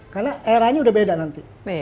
karena era nya sudah berbeda nanti